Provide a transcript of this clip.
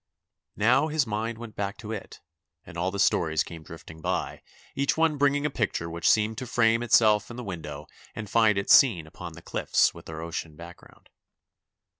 Now his mind went back to it and all the stories came drifting by, each one bringing a picture which seemed to frame itself in the window and find its scene upon the cliffs with their ocean background.